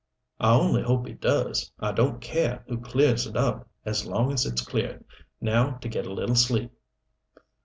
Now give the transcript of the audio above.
"I only hope he does! I don't care who clears it up as long as it's cleared. Now to get a little sleep."